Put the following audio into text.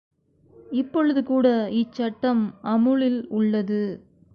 இப்பொழுதுகூட இச் சட்டம் அமுலில் உள்ளது.